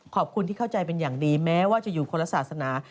ขอบคุณที่เข้าใจเป็นอย่างดีแม้ว่าจะอยู่คนละศาสนา